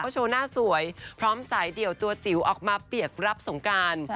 โชว์หน้าสวยพร้อมสายเดี่ยวตัวจิ๋วออกมาเปียกรับสงการ